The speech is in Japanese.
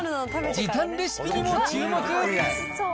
時短レシピにも注目。